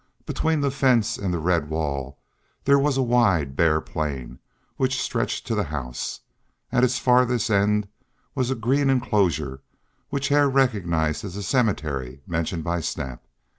Between the fence and the red wall there was a wide bare plain which stretched to the house. At its farthest end was a green enclosure, which Hare recognized as the cemetery mentioned by Snap.